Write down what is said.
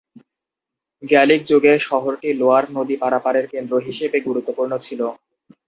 Gallic যুগে শহরটি Loire নদী পারাপারের কেন্দ্র হিসেবে গুরুত্বপূর্ণ ছিল।